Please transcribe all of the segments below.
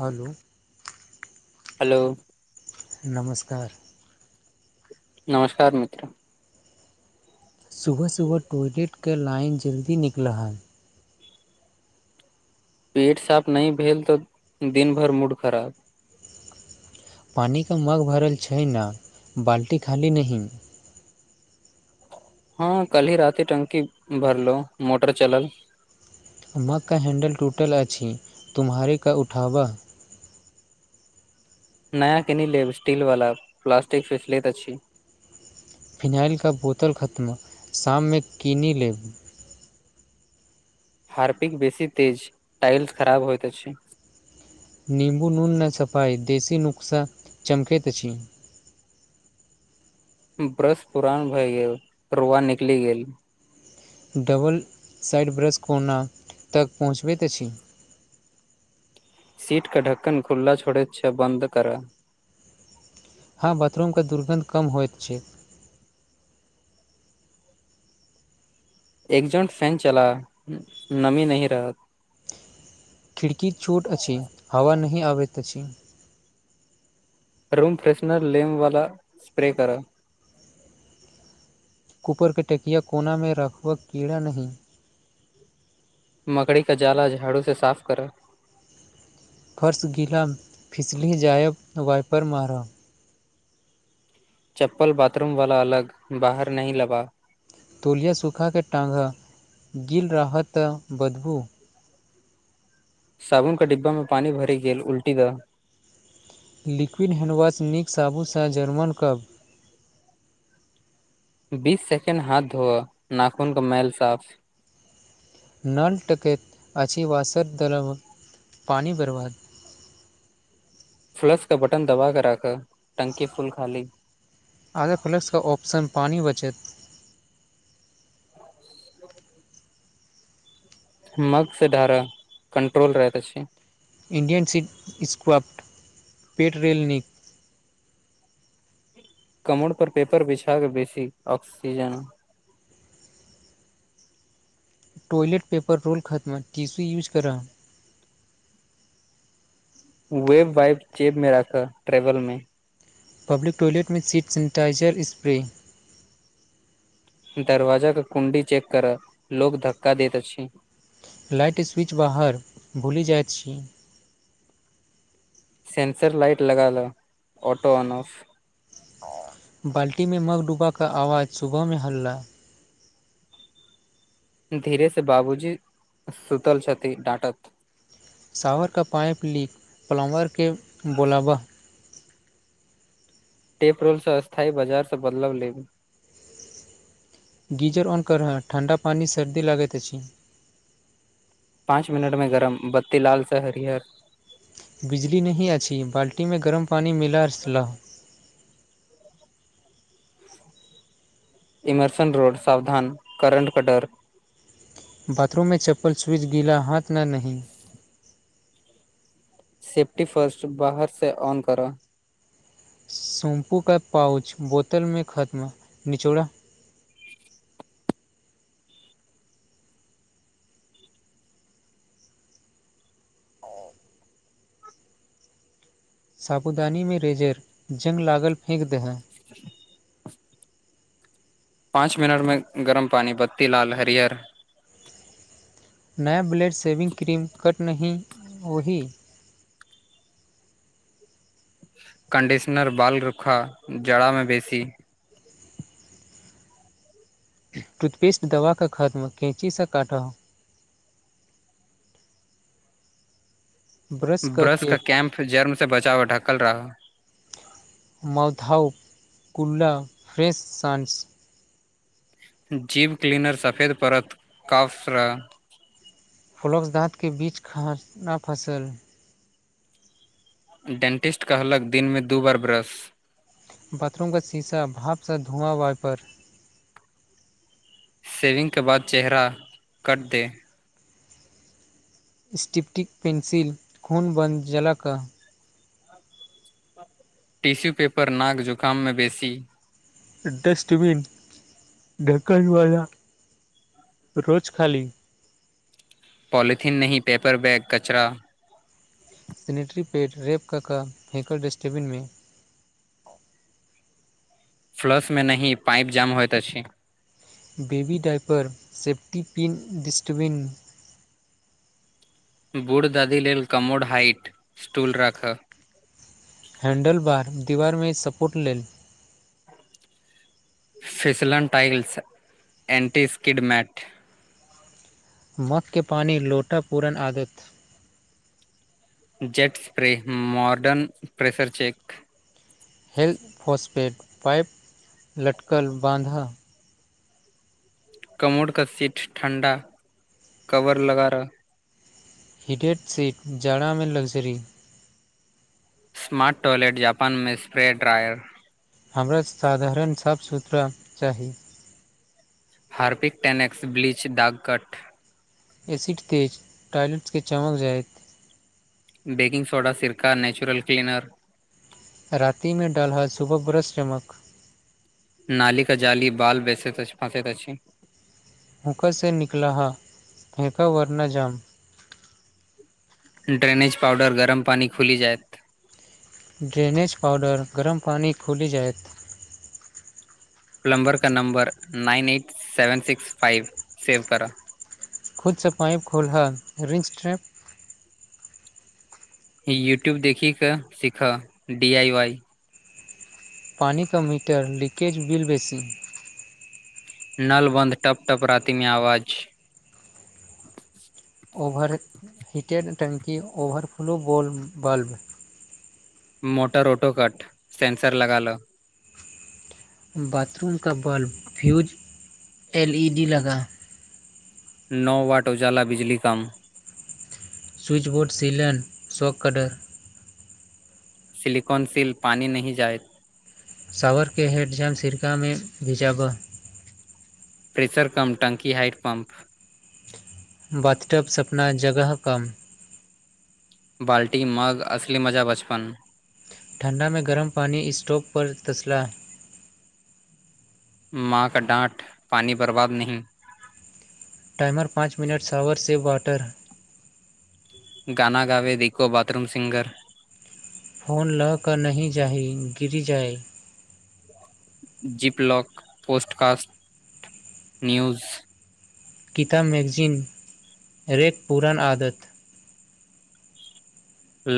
Hello. Hello. नमस्कार। नमस्कार मित्र। सुबह सुबह टॉयलेटके लाइन जल्दी निकल हई पेट साफ नहि भेल त दिन भरि मूड खराब पानिके मग भरल छै ने बाल्टी खाली नहि हँ कल ही रात टंकी भरलो मोटर चलल मक कऽ हैंडल टूटल अछि तुम्हारे क उठाबऽ नया कनि लेब स्टील वाला प्लास्टिक फेसलेट अछि फिनाइल कऽ बोतल खत्म शाममे कनि लेब हार्पिक बेसी तेज इलस खराब होइत छै। नीमबू नून मे सफाय देसी नुस्खा चमकैतैत अछि ब्रश पुरान भए गेल रुआ निकलि गेलऽ डबल साइड ब्रश कोना तक पहुँचबैत अछि। सीट कऽ ढक्कन खुलला छोड़ै छै बन्द करा हँ बाथरूम के दुर्गन्ध कम होइत छै। एक जट फैन चला नमी नही रहत। खिड़कि चोट अछि हवा नहि आबैत अछि। रूम फ्रेशनर लेम वाला स्प्रे करा। कूपरके टकिया कोना मे रखबाक कऽ कीड़ा नहि मकड़ी का जाला झाड़ू से साफ कर फर्श गीला फिसली जायब वाइपर मारब चप्पल बाथरूम वाला अलग बाहर नी लबा। तोलिया सूखा के टाँग गल रहऽ तऽ बदबू साबुन के डिब्बा मे पानी भरि गेल उल्टी दही लिक्विड हैणडवाश नीक साबुनसँ जर्मन करब। बीस सेकेण्ड हाथ धोअ नाखन कऽ मेल साफ नल टकैत अछि वसर दलव पानि बरबाद। फ्लश का बटन दबा क राख टकी फूल खाली आगा फ्लेक्सके ऑप्शन पानी बचत। [unintelligible] मगसँ ढारऽ कंट्रोल रहैत छै। इण्डियन सी स्क्वाफ्ट पेट रेल निक। कमर पर पेपर बिछा के बेसी ऑक्सीजन। टॉयलेट पेपर रोल खत्म तीसी यूज करा। वेब वइ चेप मे राख ट्रेवल मे पब्लिक टॉलटमे सीट सनेटाइजर स्प्रे। दरवाजाे कुण्डी चेक करय लोकोग धक्का दैत अछि लाइट स्विच बाहर भूलि जाइत छी सन्सर लाइट लग लऑटो ऑन ऑफ बाल्टीमे मगडुबा क आवाज सुबहमे हल्ला धीरे से बाबूजी सुतल छथि डाँटत शावर का पाइप लीक पलम्बरके बोलाबा टेप रोलसँ स्थायी बाजार से बदलाव लेब गीजर ऑन करहऽ ठण्डा पानी सर्दी लागैत अछि पाँच मिनटमे गरम बत्ती लालसँ हरिहर बिजली नहि अछि बाल्टीमे गरम पानि मिला लह इमरसन रोड सावधान करंट के। डर बाथरूममे चप्पल स्विच गीला हाथ। न नहि सेफ्टी फर्स्ट बाहर से ऑन करा शैम्पूके पाउच बोतलमे खत्म निचोड़ा साबुदानीमे रेजर जंघ लागल फेक दहै पाँच मिनट मे गरम पानि बस तिलाल हरिअर नया ब्लेड शेविङ्ग क्रीम कट नहि ओहि कन्डिशनर बाल रूखा जराामे बेसी टूथपेस्ट दवाके खत्म कैँचीसँ काट ब्रश क कैम्प जर्मसँ बचाव ढकल रह माउथहाउ कुला फ्रेश संस जीव क्लीनर सफेद पड़त कफसलरा फलक्स दाँतके बीच खाना न फसल डेंटिस्ट कहलक दिनमे दू बार ब्रश बाथरूम क शीशा भाँप सा धुआँ वाइपर शेविगके बाद चेहरा कटै स्टिपटिक पेंसिल खुनन खू न बन्द जेलक टिश्यू पेपर नाक जुकाममे बेसी डस्टबिन ढकलवला कक्रोच खाली पोलिथििन नहि पेपर बैग कचरा सनेटरी पेड रेप क का हैकरर डस्टबिनमे फ्लसमे नहि पाइप जाम होइत अछि baby diaper safety pin dustbin बूढ़ दादी लेल कमोर हाइट स्टूल राखऽ हैण्डल बार दीवारमे सपोर्ट लेल फसलन टाइल्स एन्टी स्किड मैट मकके पानि लोटा पूरण आदत जट spray modern pressure check health फोसपेट pipe लटकल बाँधऽ कमोर का सीट ठण्डा कवर लगा रह हिटेड सीट जाड़ामे लगजरी मा टॉयलेट जापान मे स्प्रे ड्रायर हमरा साधारण साफ सुथरा चाही हार्पिक टेनक्स ब्लीच दाग कट एसिड तेज टॉयलेट्सके चमक जाइत बेकिंग सोडा सिरका नाचुरल क्लीनर रातिमे डाल हल सुबह ब्रश चमक नाली का जाली बाल बेचैत फसेत अछि हूँका से निकल हा फेका वरना जाम ड्रेनेज पाउडर गरम पानी खुलि जायत ड्रेनेज पाउडर गरम पानी खुलि जायत पलम्बर का number nine eight seven six five save करा खुदसँ पाइप खोल रिंच स्ट्रैप यूट्यूब देखिक के सीखऽ डी आई वाई पानी कऽ मीटर लीकेज बिल बेसी नल बन्द टप टप रातिमे आवाज ओवर हीटेर टंकी over flow [unintelligible] bulb motor auto cut sensor लगालो बाथरूम का bulb fuse L E D लगा नओ वाट उजाला बिजली कम स्विचबोर्ड सिलन शॉक कऽ डर सलिकॉन सील पानी नहि जाय शावरके हेडजाम सिरकामे भिजाबऽ प्रेसर कम टंकी हाइट पम्प बथटब सपना जगह कम बाल्टी मग असली मजा बचपन ठण्डामे गरम पानी स्टोव पर तसलाह माँ कऽ डाँट पानि बर्बाद नहि टाइमर पाँच मिनट शॉावर से वाटर गाना गाबे देखिको बाथरूम सिंगर फोन लऽ कऽ नहि जााही गिर जाय zip lock podcast news Gita magazine rack पुरान आदत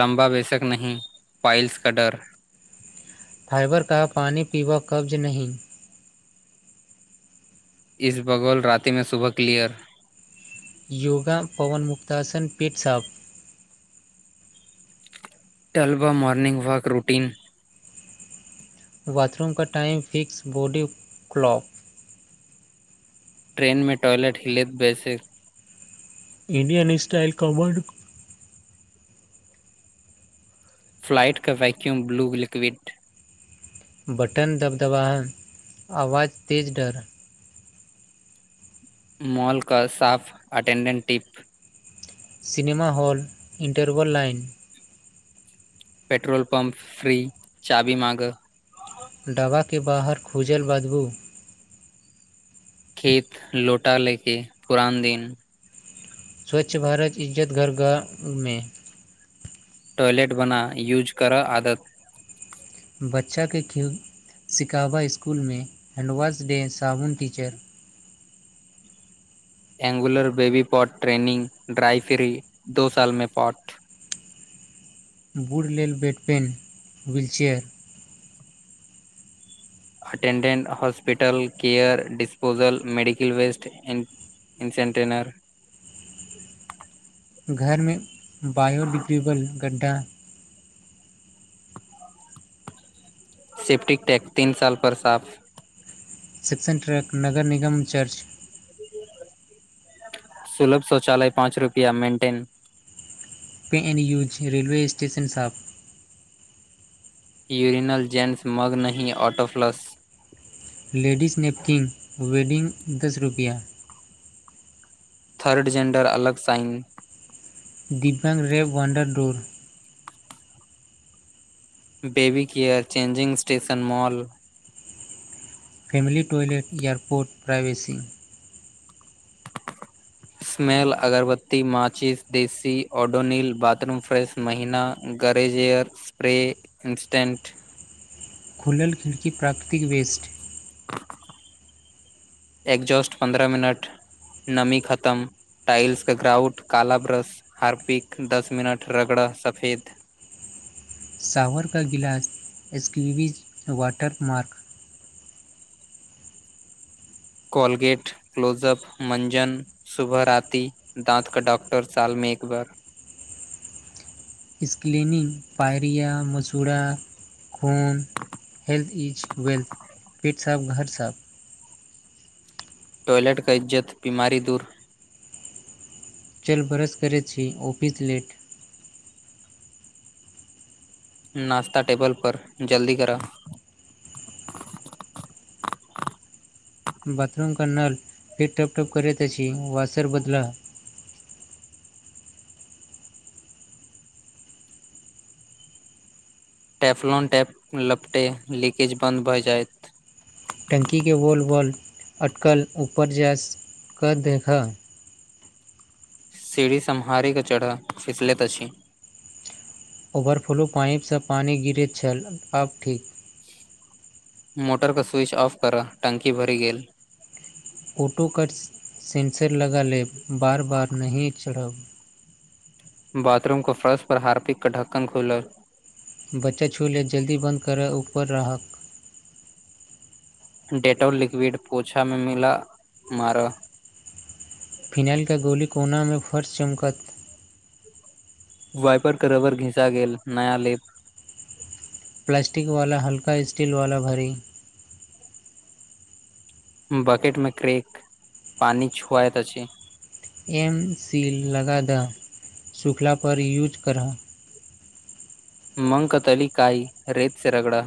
लम्बा बेसक नहि पाइल्स का डर फइबर कऽ पानी पीबा कब्ज नहि इस बगौल राततिमे सुबह क्लियर योगा पवन मुक्तासन पेट साफ तलबा मॉनिंग वाक रूटीन बाथरूम का टाइम फिक्स बॉडी क्लॉक ट्रेनमे टॉयलट हिलैत बेैसिक इंडियन स्टाइल कबर्ड फ्लाइटके वैक्यूम ब्लू लिक्विड बटन दबदबाा आवाज तेज डर मॉलके साफ attendant tip cinema hall interval line petrol pump free चाबी माँग दबाके बाहर खूजल बदबू खेत लौटा लेके पुरान दिन स्वच्छ भारत इज्जत घर गाम मे टॉयलेट बना यूज कर आदत बच्चा केँ खिल शिकाबा इसकुल में हैंडवाश डे साबुन टीचर एगुलर baby pot training dry free दो सालमे पॉट बुढ़ लेल bed pan wheel chair attendant hospital care disposal medical waste incinerator घरमे बायोडिग्रेबल गड्ढा सेफ्टिक टैक तीन साल पर साफ सिक्शन ट्रक नगर निगम चर्च सुलभ शौचालय पाँच रुपआ maintain pay and use railway station साफ यूरनल जन्स मग नही ऑटोफ्लस लेडीज नेपकिन वेडिंग दस रुपैआ थर्ड जैंडर अलगसँइन डिफरेंट वेब वाडरडोर baby care changing station mall family toilet airport privacy smell अगरबत्ती माचिस देसी ओऑडोनिल बाथरूम फ्रेश महीना गरेजेयर स्प्रे इन्स्टंट खुलल खिड़की प्राकृतिक वेस्ट एगजस्ट पन्द्रह मिनट [inaudible] नमी खतम टाइल्स कऽ ग्राउट काला ब्रश हारपिक दस मिनट रगड़ा सफेद सावरका गिलास squeegee water mark Colgate Closeup मंजन सुबह राति दाँत कऽ डँक्टर साल में एक बार स्क्लेनिग पायरिया मसूड़ा खून हेल्थ इज वेल्थ पेट साफ घर साफ टॉयलट कऽ इज्जत बीमारी दूर चल ब्रश करै छी ऑफिस लेट नाश्ता टेबल पर जल्दी कर बाथरूम कऽ नल फिर ठप ठप करैत छी वाशर बदला टैफ्लॉन टैप लपटे लीकेज बन्द भऽ जायत टंकी केँ वॉल वॉल अटकल ऊपर जा कऽ देखा सीरी सम्हारे कऽ चढ़ फिसलैत अछि ओवरफ्लो पाइपस पानी गिरैत छल आब ठीक मोटर कऽ स्विच ऑफ कर टंकी भरि गेल फोटो कट सेंसर लगा लेब बार बार नहीं चढ़ब बाथरूम कऽ फरश पर हार्पिक कऽ ढक्कन खुलर बच्चा छु लेत जल्दी बंद करअ ऊपर राहक डेटॉल लिक्विड पोछा में मिला मारा फिनाएल कऽ गोली कोनामे फर्श चमकत वइपर कऽ रबर घिसा गेल नया लेप प्लासस्टिक वाला हल्का स्टील वाला भरी बकेट में क्रेक [inaudible] पानी छुआइत अछि एम सील लगा दऽ सुखला पर यूज करऽ मंकतरीका कई रेत स रगड़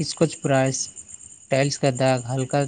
इसकुछ प्राइस टाइल्स का दाग हल्का